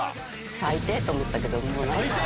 最低と思ったけど。